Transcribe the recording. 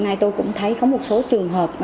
hôm nay tôi cũng thấy có một số trường hợp